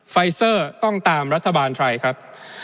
ไฟซัรต้องตามรัฐบาลไทยครับ